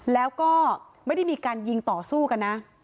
แล้วก็ไม่ได้มีการยิงต่อสู้กันนะ